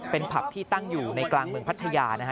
เป็นผับที่ตั้งอยู่ในกลางเมืองพัทยานะฮะ